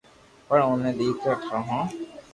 پڙآن اوني ڌاڪٽر ٺاوُِ ھون